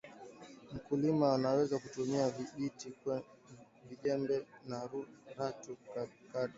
mkulima anaweza kutumia vijiti jembe au rato kadri vinavyohitajika kaika uvunaji viazi